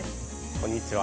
こんにちは。